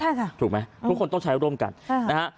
ใช่ค่ะถูกไหมทุกคนต้องใช้ร่วมกันค่ะนะฮะ